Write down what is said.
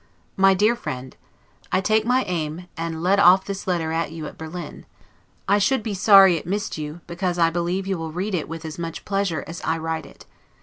MY DEAR FRIEND: I take my aim, and let off this letter at you at Berlin; I should be sorry it missed you, because I believe you will read it with as much pleasure as I write it.